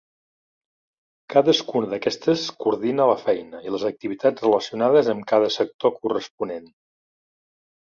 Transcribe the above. Cadascuna d'aquestes coordina la feina i les activitats relacionades amb cada sector corresponent.